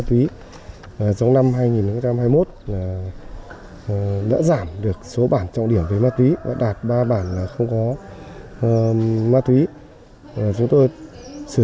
trong năm hai nghìn hai mươi một đã giảm được số bản trọng điểm về ma túy và đạt ba bản không có ma túy chúng tôi sử